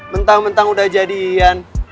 mentang mentang udah jadian